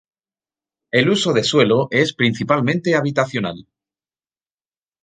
El uso de suelo es principalmente habitacional.